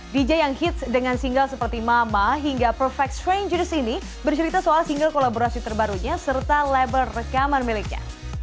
dj yang hits dengan single seperti mama hingga perfect strangeers ini bercerita soal single kolaborasi terbarunya serta label rekaman miliknya